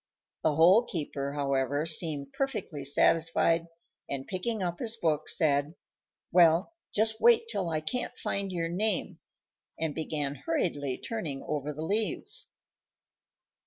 The Hole keeper, however, seemed perfectly satisfied, and, picking up his book, said, "Well, just wait till I can't find your name," and began hurriedly turning over the leaves.